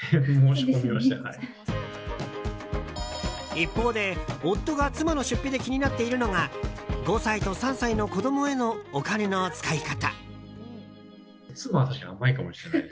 一方で、夫が妻の出費で気になっているのが５歳と３歳の子供へのお金の使い方。